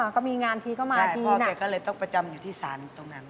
ก็มีงานทีก็มาทีพ่อแกก็เลยต้องประจำอยู่ที่ศาลตรงนั้น